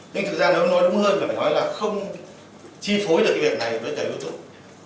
nhưng thực ra nó nói đúng hơn phải nói là không chi phối được việc này với tầng youtube